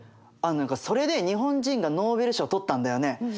何かそれで日本人がノーベル賞取ったんだよね。